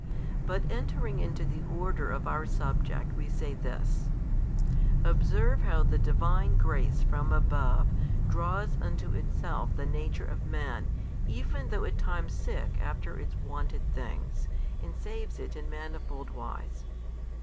But entering into the order of our subject we say this: Observe how the Divine grace from above draws unto itself the nature of man even though at times sick after its wonted things, and saves it in manifold wise.